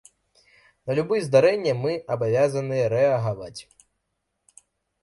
На любыя здарэнні мы абавязаныя рэагаваць.